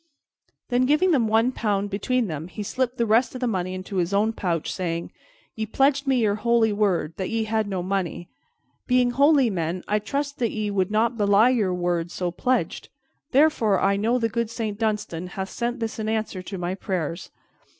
Then, giving them one pound between them, he slipped the rest of the money into his own pouch, saying, "Ye pledged me your holy word that ye had no money. Being holy men, I trust that ye would not belie your word so pledged, therefore I know the good Saint Dunstan hath sent this in answer to my prayers.